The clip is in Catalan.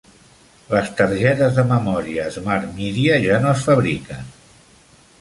Les targetes de memòria SmartMedia ja no es fabriquen.